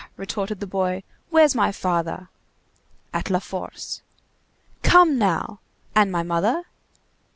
retorted the boy, "where's my father?" "At La Force." "Come, now! And my mother?"